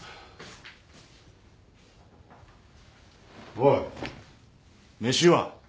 おい飯は？